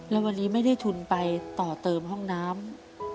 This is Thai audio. แล้ววันนี้ไม่ได้ทุนไปต่อเติมห้องน้ำ